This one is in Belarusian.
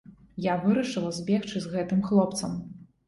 Я вырашыла збегчы з гэтым хлопцам.